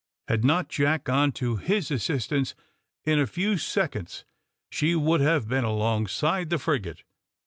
Had not Jack gone to his assistance, in a few seconds she would have been alongside the frigate.